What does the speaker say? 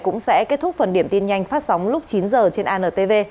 cũng sẽ kết thúc phần điểm tin nhanh phát sóng lúc chín h trên antv